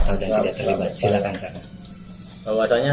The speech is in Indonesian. tahu dan tidak terlibat silakan sangat bahwasanya